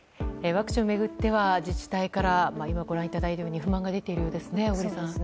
ワクチンを巡っては自治体からご覧いただいたように不満が出ているようですね小栗さん。